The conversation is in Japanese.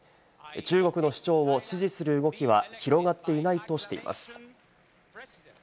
中国の主張を支持する動きは広がっていないとしています。